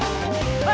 oh pak kamu lihat